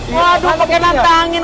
waduh kena tangin